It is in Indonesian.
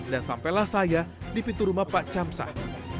dan sampailah saya di pintu rumah pak camsah